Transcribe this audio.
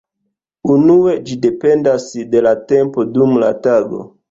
Unue ĝi dependas de la tempo dum la tago.